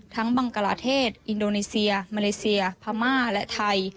บังกลาเทศอินโดนีเซียมาเลเซียพม่าและไทย